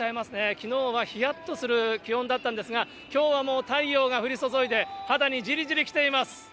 きのうはひやっとする気温だったんですが、きょうはもう、太陽が降り注いで、肌にじりじりきています。